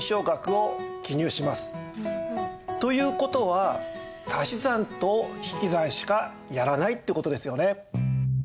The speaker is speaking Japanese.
という事は足し算と引き算しかやらないって事ですよね。